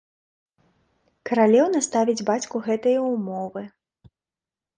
Каралеўна ставіць бацьку гэтыя ўмовы.